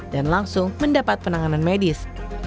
dan langsung mendapat penanganan medis